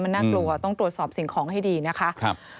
มันน่ากลัวต้องตรวจสอบสิ่งของให้ดีนะคะ